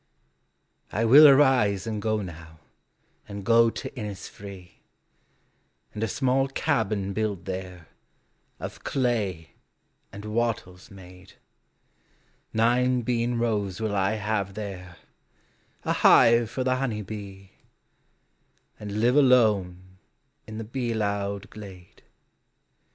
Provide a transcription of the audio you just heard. I will arise and go now, and go to Innisfree, And a small cabin build there, of clay and wattles made ; Nine bean rows will I have there, a hive for the honey bee, And live alone in the bee loud glade.